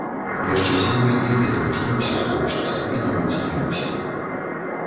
Яшчэ зімой я ведаў, чым усё скончыцца, і нават змірыўся.